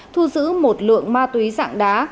thu giữ một lượng ma túy dạng đá